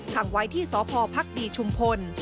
ขังไว้ที่สพภักดีชุมพล